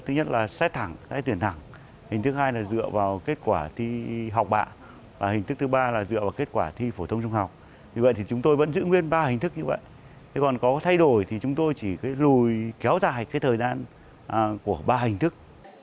nguyên ba hình thức như vậy còn có thay đổi thì chúng tôi chỉ lùi kéo dài thời gian của ba hình thức